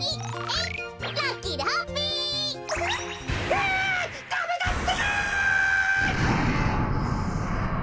わダメだってか！